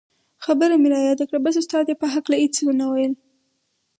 خبره مې رایاده کړه بس استاد یې په هکله څه و نه ویل.